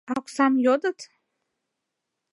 А оксам йодыт.